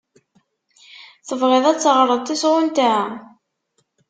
Tebɣiḍ ad teɣreḍ tasɣunt-a?